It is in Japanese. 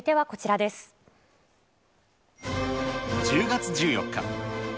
１０月１４日。